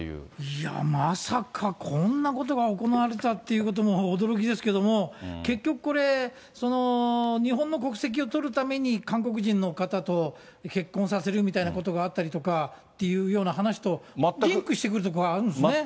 いや、まさかこんなことが行われてたということも驚きですけれども、結局これ、日本の国籍を取るために、韓国人の方と結婚させるみたいなことがあったりとかっていうような話とリンクしてくるところがあるんですね。